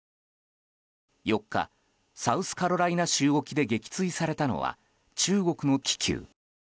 ４日、サウスカロライナ州沖で撃墜されたのは中国の気球。